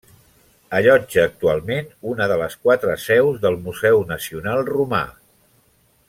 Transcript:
Allotja actualment una de les quatre seus del Museu Nacional Romà.